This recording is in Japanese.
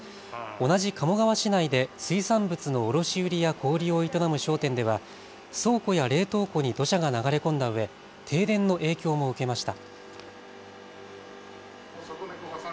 同じ鴨川市内で水産物の卸売りや小売りを営む商店では倉庫や冷凍庫に土砂が流れ込んだうえ停電の影響も受けました。